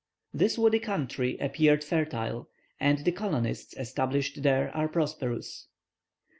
This woody country appeared fertile, and the colonists established there are prosperous.